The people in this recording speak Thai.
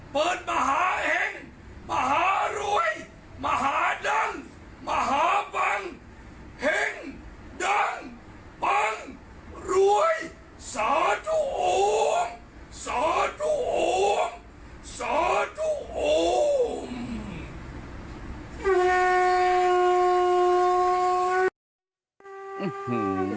เปิดมหาเห่งมหารวยมหาดังมหาบังเห่งดังบังรวยสาธุโอมสาธุโอมสาธุโอม